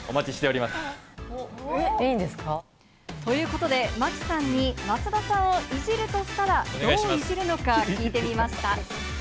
いいんですか？ということで真木さんに、増田さんをいじるとしたら、どういじるのか聞いてみました。